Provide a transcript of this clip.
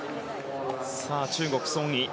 中国のソン・イ。